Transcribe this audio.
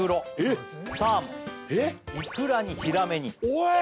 おい！